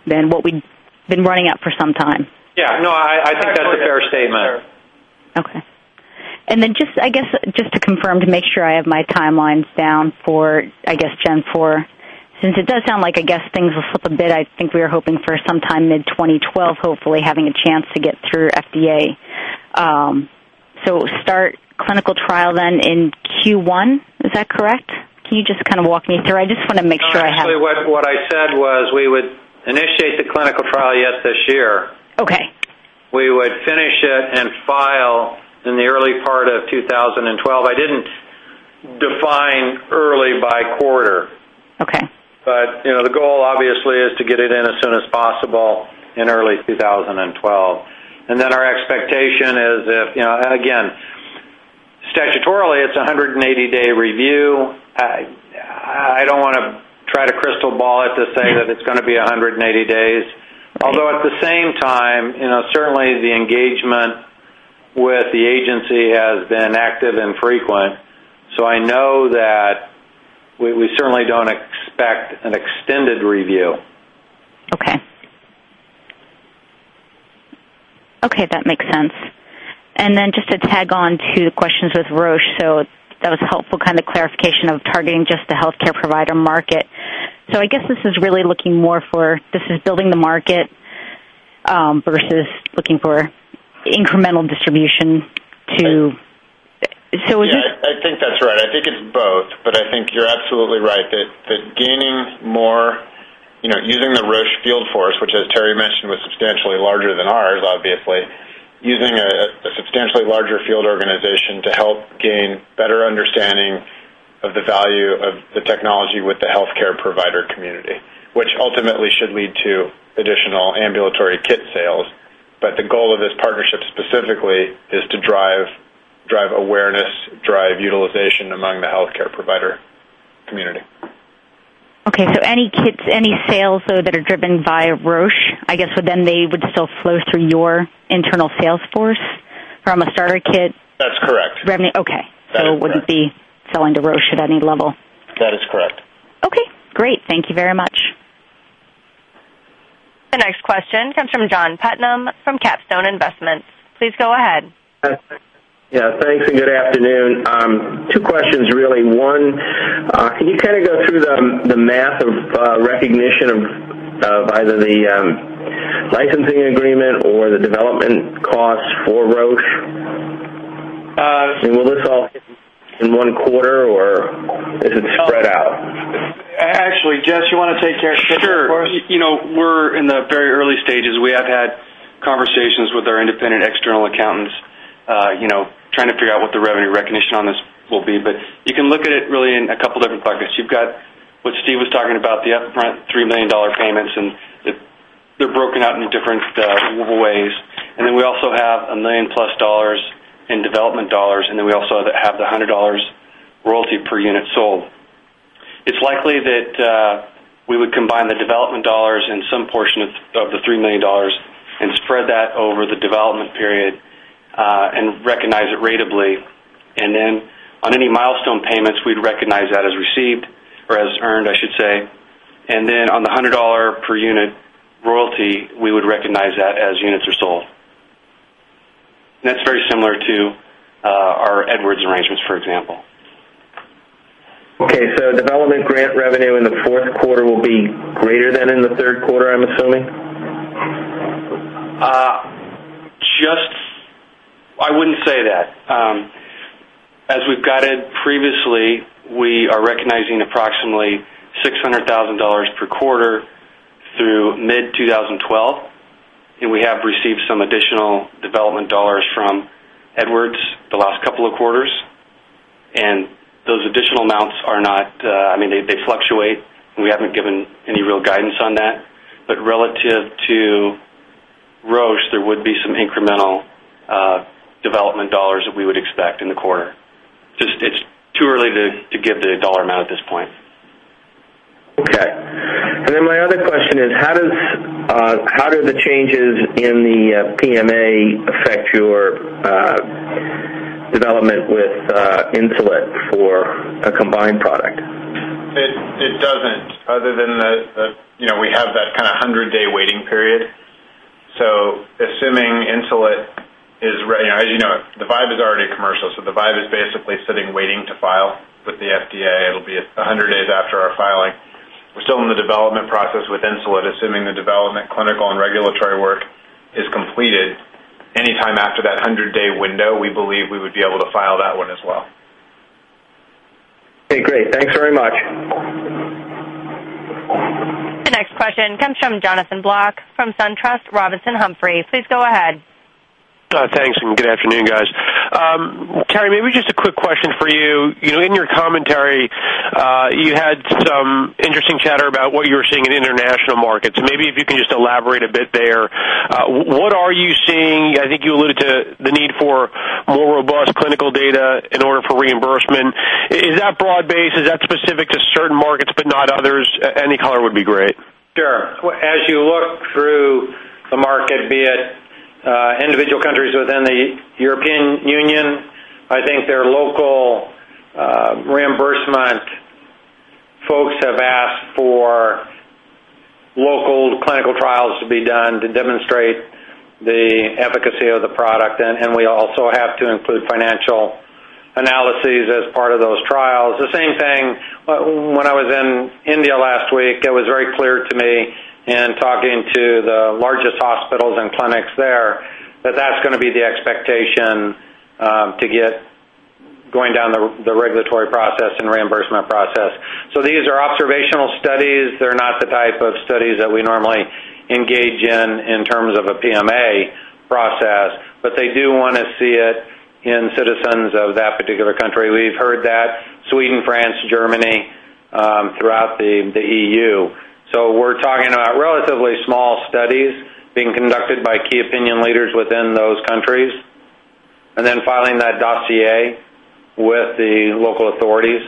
than what we've been running at for some time. Yeah. No, I think that's a fair statement. Okay. Just, I guess, just to confirm, to make sure I have my timelines down for, I guess, Gen 4, since it does sound like, I guess things will slip a bit. I think we were hoping for some time mid-2012, hopefully having a chance to get through FDA. Start clinical trial then in Q1, is that correct? Can you just kind of walk me through? I just want to make sure I have- Actually, what I said was we would initiate the clinical trial yet this year. Okay. We would finish it and file in the early part of 2012. I didn't define early by quarter. Okay. You know, the goal obviously is to get it in as soon as possible in early 2012. Our expectation is if, you know, again, statutorily it's a 180-day review. I don't wanna try to crystal ball it to say that it's gonna be 180 days. Although at the same time, you know, certainly the engagement with the agency has been active and frequent. I know that we certainly don't expect an extended review. Okay. Okay, that makes sense. Just to tag on to the questions with Roche. That was helpful kind of clarification of targeting just the healthcare provider market. I guess this is really looking more for this is building the market, versus looking for incremental distribution to. Would you- Yeah, I think that's right. I think it's both, but I think you're absolutely right that gaining more, you know, using the Roche field force, which as Terry mentioned, was substantially larger than ours, obviously. Using a substantially larger field organization to help gain better understanding of the value of the technology with the healthcare provider community, which ultimately should lead to additional ambulatory kit sales. The goal of this partnership specifically is to drive awareness, drive utilization among the healthcare provider community. Okay. Any kits, any sales though, that are driven by Roche, I guess, would then still flow through your internal sales force from a starter kit? That's correct. Revenue. Okay. That is correct. It wouldn't be selling to Roche at any level. That is correct. Okay, great. Thank you very much. The next question comes from John Putnam from Capstone Investments. Please go ahead. Yeah, thanks and good afternoon. Two questions really. One, can you kind of go through the math of recognition of either the licensing agreement or the development costs for Roche? Uh. Will this all hit in one quarter or is it spread out? Actually, Jess, you want to take care of that for us? Sure. You know, we're in the very early stages. We have had conversations with our independent external accountants, you know, trying to figure out what the revenue recognition on this will be. You can look at it really in a couple different buckets. You've got what Steve was talking about, the upfront $3 million payments, and they're broken out into different ways. We also have $1 million-plus in development dollars, and we also have the $100 royalty per unit sold. It's likely that we would combine the development dollars and some portion of the $3 million and spread that over the development period and recognize it ratably. On any milestone payments, we'd recognize that as received or as earned, I should say. On the $100 per unit- We would recognize that as units are sold. That's very similar to our Edwards arrangements, for example. Okay. Development grant revenue in the fourth quarter will be greater than in the third quarter, I'm assuming? Just, I wouldn't say that. As we've guided previously, we are recognizing approximately $600,000 per quarter through mid-2012. We have received some additional development dollars from Edwards the last couple of quarters. Those additional amounts are not, I mean, they fluctuate, and we haven't given any real guidance on that. Relative to Roche, there would be some incremental development dollars that we would expect in the quarter. Just, it's too early to give the dollar amount at this point. Okay. My other question is: How do the changes in the PMA affect your development with Insulet for a combined product? It doesn't, other than the, you know, we have that kinda 100-day waiting period. Assuming Insulet is. You know, the Vibe is already commercial, so the Vibe is basically sitting, waiting to file with the FDA. It'll be 100 days after our filing. We're still in the development process with Insulet, assuming the development, clinical, and regulatory work is completed. Anytime after that 100-day window, we believe we would be able to file that one as well. Okay, great. Thanks very much. The next question comes from Jonathan Block from SunTrust Robinson Humphrey. Please go ahead. Thanks, and good afternoon, guys. Terry, maybe just a quick question for you. You know, in your commentary, you had some interesting chatter about what you were seeing in international markets. Maybe if you can just elaborate a bit there. What are you seeing? I think you alluded to the need for more robust clinical data in order for reimbursement. Is that broad-based? Is that specific to certain markets but not others? Any color would be great. Sure. As you look through the market, be it individual countries within the European Union, I think their local reimbursement folks have asked for local clinical trials to be done to demonstrate the efficacy of the product. We also have to include financial analyses as part of those trials. The same thing when I was in India last week, it was very clear to me in talking to the largest hospitals and clinics there that that's gonna be the expectation to get going down the regulatory process and reimbursement process. These are observational studies. They're not the type of studies that we normally engage in terms of a PMA process, but they do wanna see it in citizens of that particular country. We've heard that Sweden, France, Germany, throughout the EU. We're talking about relatively small studies being conducted by key opinion leaders within those countries and then filing that dossier with the local authorities.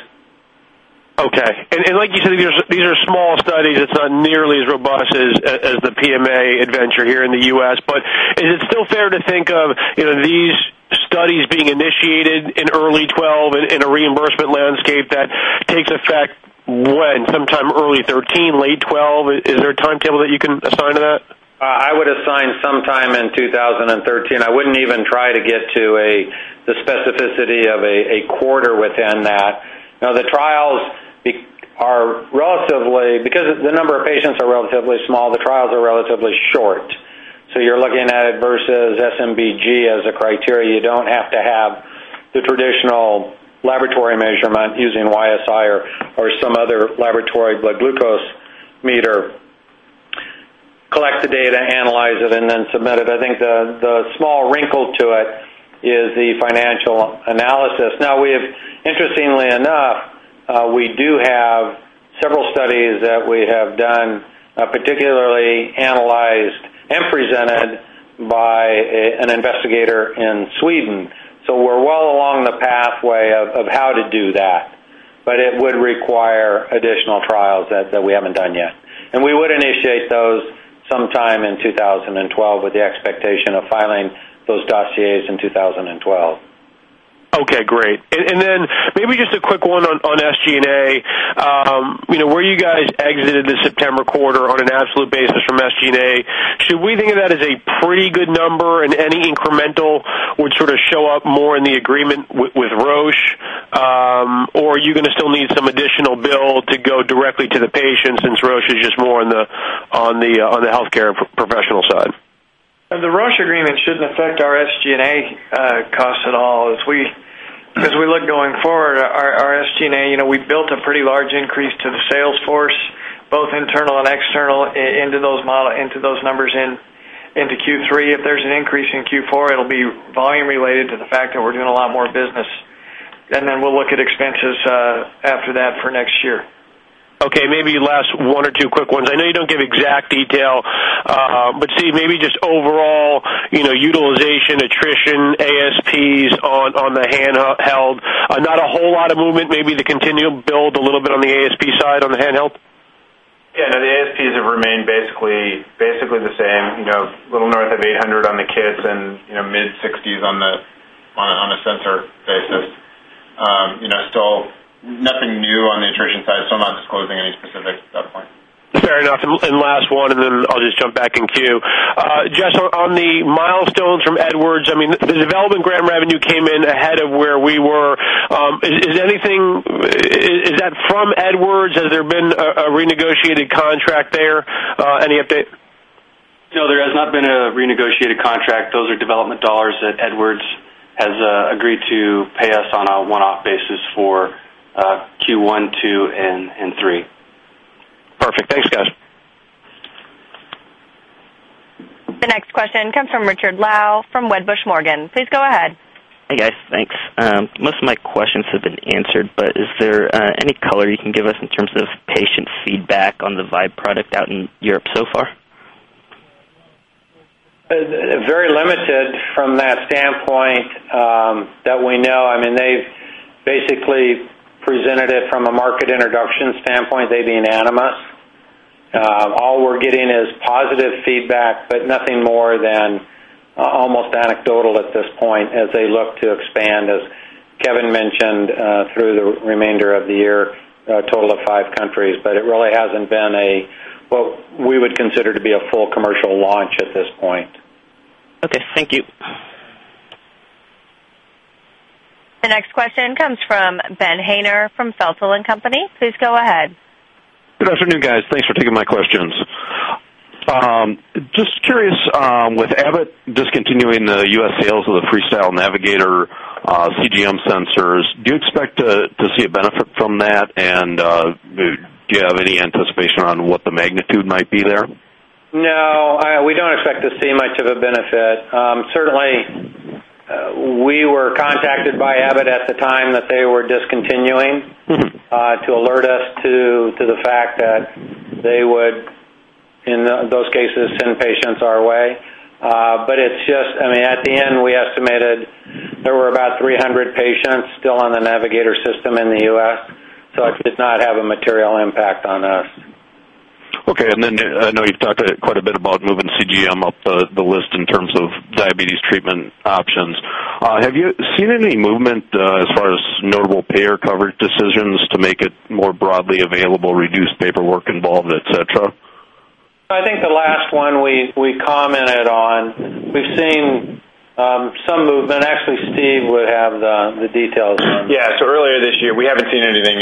Okay. Like you said, these are small studies. It's not nearly as robust as the PMA adventure here in the U.S. Is it still fair to think of, you know, these studies being initiated in early 2012 in a reimbursement landscape that takes effect, when? Sometime early 2013, late 2012. Is there a timetable that you can assign to that? I would assign sometime in 2013. I wouldn't even try to get to the specificity of a quarter within that. Now, the trials are relatively short because the number of patients are relatively small. You're looking at it versus SMBG as a criteria. You don't have to have the traditional laboratory measurement using YSI or some other laboratory blood glucose meter. Collect the data, analyze it, and then submit it. I think the small wrinkle to it is the financial analysis. Now we have, interestingly enough, we do have several studies that we have done, particularly analyzed and presented by an investigator in Sweden. We're well along the pathway of how to do that, but it would require additional trials that we haven't done yet. We would initiate those sometime in 2012 with the expectation of filing those dossiers in 2012. Okay, great. Then maybe just a quick one on SG&A. You know, where you guys exited the September quarter on an absolute basis from SG&A, should we think of that as a pretty good number and any incremental would sort of show up more in the agreement with Roche? Or are you gonna still need some additional build to go directly to the patients since Roche is just more on the healthcare professional side? The Roche agreement shouldn't affect our SG&A costs at all as we look going forward. Our SG&A, you know, we built a pretty large increase to the sales force, both internal and external, into those numbers in Q3. If there's an increase in Q4, it'll be volume related to the fact that we're doing a lot more business. Then we'll look at expenses after that for next year. Okay, maybe last one or two quick ones. I know you don't give exact detail, but Steve, maybe just overall, you know, utilization, attrition, ASPs on the handheld. Not a whole lot of movement. Maybe the continuum build a little bit on the ASP side on the handheld. Yeah, no, the ASPs have remained basically the same. You know, a little north of $800 on the kits and, you know, mid-$60s on a sensor basis. You know, still Closing any specifics at that point. Fair enough. Last one, and then I'll just jump back in queue. Jess, on the milestones from Edwards, I mean, the development grant revenue came in ahead of where we were. Is that from Edwards? Has there been a renegotiated contract there? Any update? No, there has not been a renegotiated contract. Those are development dollars that Edwards has agreed to pay us on a one-off basis for Q1, Q2, and Q3. Perfect. Thanks, guys. The next question comes from Richard Lau from Wedbush Morgan. Please go ahead. Hey, guys. Thanks. Most of my questions have been answered, but is there any color you can give us in terms of patient feedback on the Vibe product out in Europe so far? Very limited from that standpoint, that we know. I mean, they've basically presented it from a market introduction standpoint, they being Animas. All we're getting is positive feedback, but nothing more than almost anecdotal at this point as they look to expand, as Kevin mentioned, through the remainder of the year, a total of 5 countries. It really hasn't been a what we would consider to be a full commercial launch at this point. Okay, thank you. The next question comes from Ben Haynor from Feltl and Company. Please go ahead. Good afternoon, guys. Thanks for taking my questions. Just curious, with Abbott discontinuing the U.S. sales of the FreeStyle Navigator, CGM sensors, do you expect to see a benefit from that? Do you have any anticipation on what the magnitude might be there? No, we don't expect to see much of a benefit. Certainly, we were contacted by Abbott at the time that they were discontinuing to alert us to the fact that they would, in those cases, send patients our way. But it's just, I mean, at the end, we estimated there were about 300 patients still on the Navigator system in the U.S., so it did not have a material impact on us. Okay. I know you've talked quite a bit about moving CGM up the list in terms of diabetes treatment options. Have you seen any movement, as far as notable payer coverage decisions to make it more broadly available, reduce paperwork involved, et cetera? I think the last one we commented on, we've seen some movement. Actually, Steve would have the details on that. Yeah, earlier this year we haven't seen anything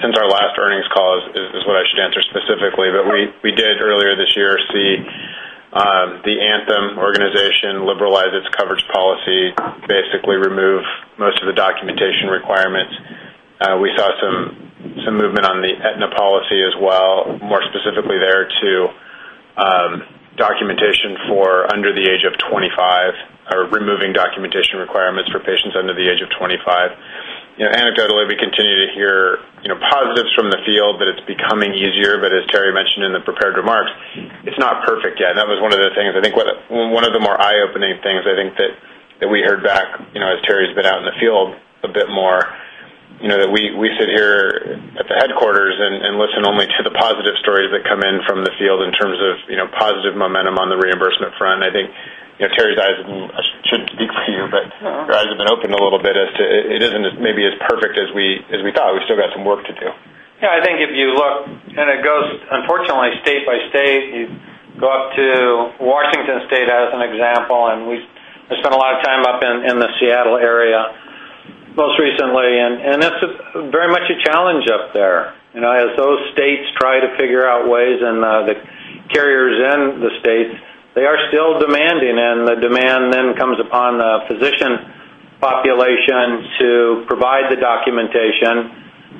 since our last earnings call is what I should answer specifically. We did earlier this year see the Anthem organization liberalize its coverage policy, basically remove most of the documentation requirements. We saw some movement on the Aetna policy as well, more specifically to documentation for under the age of 25, or removing documentation requirements for patients under the age of 25. You know, anecdotally, we continue to hear, you know, positives from the field that it's becoming easier. As Terry mentioned in the prepared remarks, it's not perfect yet. That was one of the things. I think one of the more eye-opening things, I think that we heard back, you know, as Terry's been out in the field a bit more, you know, that we sit here at the headquarters and listen only to the positive stories that come in from the field in terms of, you know, positive momentum on the reimbursement front. I think, you know, Terry's eyes should be clear, but your eyes have been opened a little bit as to it isn't as maybe as perfect as we thought. We still got some work to do. Yeah, I think if you look and it goes, unfortunately state by state, you go up to Washington State as an example, and we've spent a lot of time up in the Seattle area most recently, and it's a very much a challenge up there. You know, as those states try to figure out ways and the carriers in the states, they are still demanding, and the demand then comes upon the physician population to provide the documentation.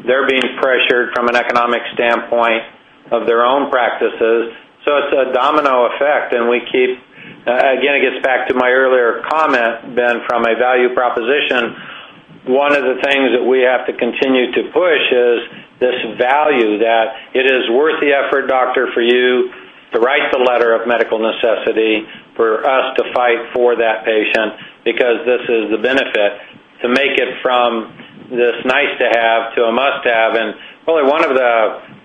They're being pressured from an economic standpoint of their own practices. It's a domino effect, and we keep again, it gets back to my earlier comment then from a value proposition. One of the things that we have to continue to push is this value that it is worth the effort, doctor, for you to write the letter of medical necessity for us to fight for that patient, because this is the benefit to make it from this nice to have to a must have. Really one of the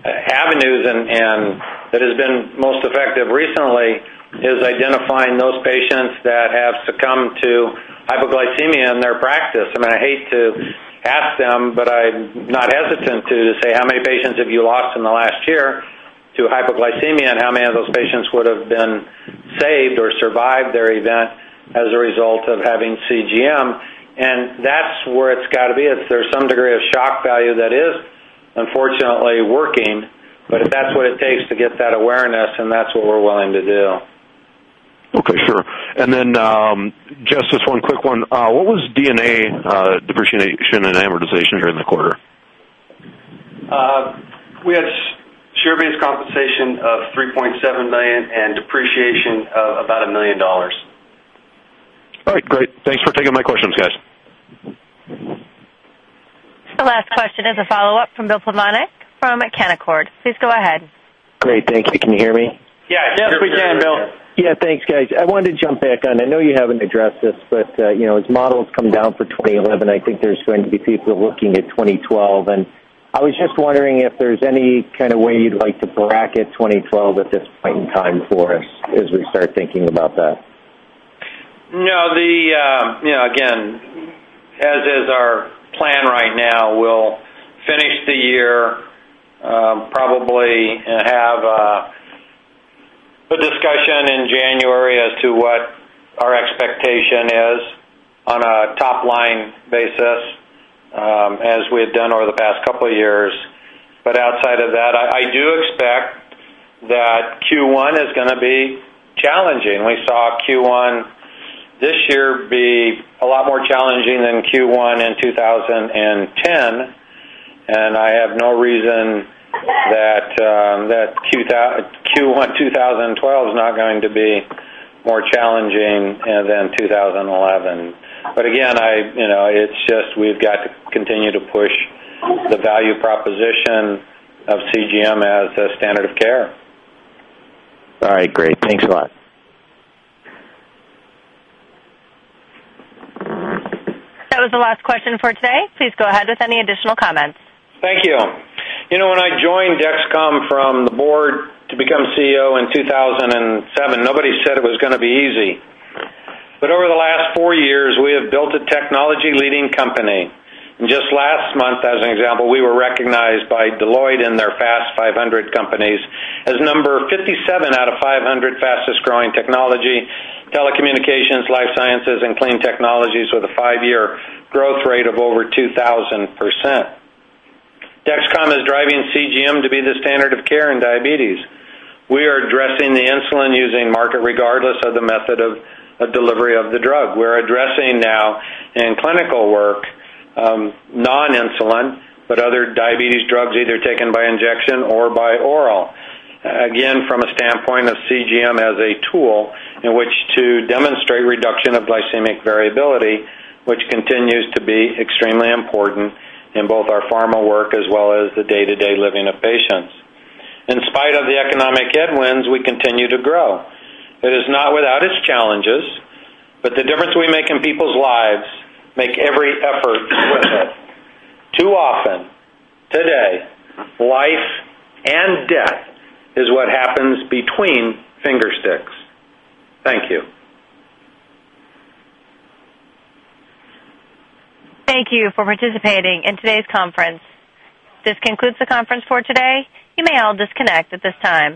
avenues and that has been most effective recently is identifying those patients that have succumbed to hypoglycemia in their practice. I mean, I hate to ask them, but I'm not hesitant to say, how many patients have you lost in the last year to hypoglycemia, and how many of those patients would have been saved or survived their event as a result of having CGM? That's where it's got to be. If there's some degree of shock value that is unfortunately working, but if that's what it takes to get that awareness, and that's what we're willing to do. Okay, sure. Just this one quick one. What was D&A, depreciation and amortization during the quarter? We had share-based compensation of $3.7 million and depreciation of about $1 million. All right, great. Thanks for taking my questions, guys. The last question is a follow-up from Bill Plovanic from Canaccord Genuity. Please go ahead. Great. Thank you. Can you hear me? Yeah. Yes, we can, Bill. Yeah. Thanks, guys. I wanted to jump back on. I know you haven't addressed this, but, you know, as models come down for 2011, I think there's going to be people looking at 2012. I was just wondering if there's any kind of way you'd like to bracket 2012 at this point in time for us as we start thinking about that. No, you know, again, as is our plan right now, we'll finish the year, probably and have the discussion in January as to what our expectation is on a top-line basis, as we have done over the past couple of years. Outside of that, I do expect that Q1 is gonna be challenging. We saw Q1 this year be a lot more challenging than Q1 in 2010, and I have no reason that Q1 2012 is not going to be more challenging than 2011. Again, you know, it's just we've got to continue to push the value proposition of CGM as a standard of care. All right, great. Thanks a lot. That was the last question for today. Please go ahead with any additional comments. Thank you. You know, when I joined Dexcom from the board to become CEO in 2007, nobody said it was gonna be easy. Over the last 4 years, we have built a technology leading company. Just last month, as an example, we were recognized by Deloitte in their Fast 500 companies as number 57 out of 500 fastest growing technology, telecommunications, life sciences, and clean technologies with a five-year growth rate of over 2,000%. Dexcom is driving CGM to be the standard of care in diabetes. We are addressing the insulin-using market regardless of the method of delivery of the drug. We're addressing now in clinical work, non-insulin, but other diabetes drugs either taken by injection or by oral. Again, from a standpoint of CGM as a tool in which to demonstrate reduction of glycemic variability, which continues to be extremely important in both our pharma work as well as the day-to-day living of patients. In spite of the economic headwinds, we continue to grow. It is not without its challenges, but the difference we make in people's lives make every effort worth it. Too often today, life and death is what happens between finger sticks. Thank you. Thank you for participating in today's conference. This concludes the conference for today. You may all disconnect at this time.